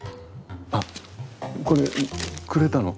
あっこれくれたの？